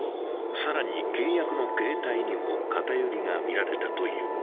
更に契約の形態にも偏りが見られたという。